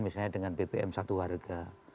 misalnya dengan bpm satu warga